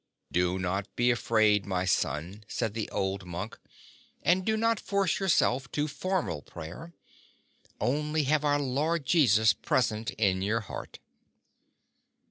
"Do not be afraid, my son," 90 said the old monk, '"and do not force yourself to formal prayer. Only have our Lord Jesus present in your heart."